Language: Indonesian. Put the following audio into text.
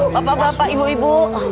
bapak bapak ibu ibu